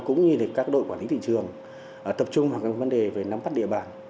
cũng như các đội quản lý thị trường tập trung vào các vấn đề về nắm bắt địa bàn